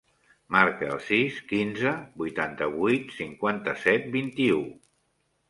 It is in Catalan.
Marca el sis, quinze, vuitanta-vuit, cinquanta-set, vint-i-u.